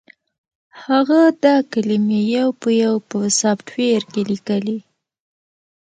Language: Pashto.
هغه دا کلمې یو په یو په سافټویر کې لیکلې